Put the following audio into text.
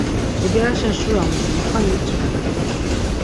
Ogyareşen şura mulun, mutxani iç̆ven.